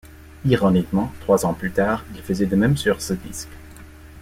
Ironiquement, trois ans plus tard, ils faisaient de même sur ce disque.